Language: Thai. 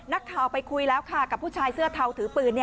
นักข่าวไปคุยแล้วค่ะกับผู้ชายเสื้อเทาถือปืน